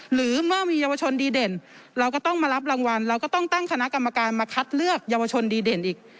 หรือเมื่อมีเยาวชนดีเด่นเราก็ต้องมารับรางวัลเราก็ต้องตั้งคณะกรรมการมาคัดเลือกเยาวชนดีเด่นอีก